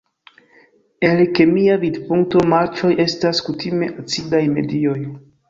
El kemia vidpunkto, marĉoj estas kutime acidaj medioj.